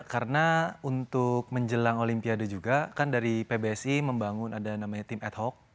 karena untuk menjelang olimpiade juga kan dari pbsi membangun ada namanya tim ad hoc